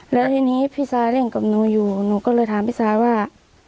แล้วทีนี้พี่ซาเล่นกับหนูอยู่หนูก็เลยถามพี่ซาว่า